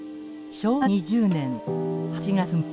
昭和２０年８月６日。